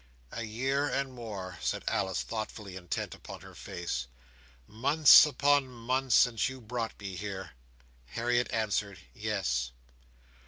"A year and more," said Alice, thoughtfully intent upon her face. "Months upon months since you brought me here!" Harriet answered "Yes."